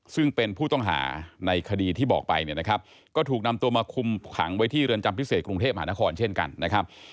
ซึ่งเป็นผู้ต้องหาในคดีที่บอกไปเนี่ยนะครับก็ถูกนำตัวมาคุมขังไว้ที่เรือนจำพิเศษกรุงเทพมหานครเช่นกันนะครับ